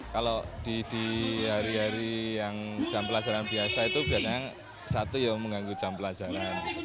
kalau di hari hari yang jam pelajaran biasa itu biasanya satu yang mengganggu jam pelajaran